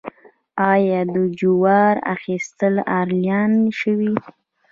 آیا د جواز اخیستل آنلاین شوي؟